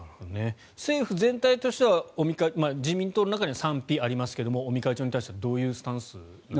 政府全体としては自民党の中には賛否ありますけど尾身会長に対してはどういうスタンスなんですか？